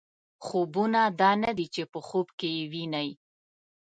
خوبونه دا نه دي چې په خوب کې یې وینئ.